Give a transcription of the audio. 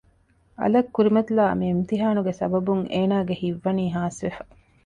އަލަށް ކުރިމަތިލާ މި އިމްތިހާނުގެ ސަބަބުން އޭނާގެ ހިތްވަނީ ހާސްވެފަ